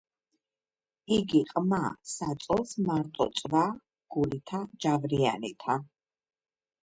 იგი ყმა საწოლს მარტო წვა გულითა ჯავრიანითა.